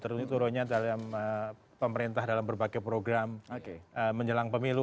terutama turunnya dalam pemerintah dalam berbagai program menjelang pemilu